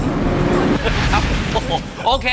ครับโอเค